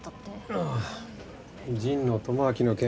ああ神野智明の件。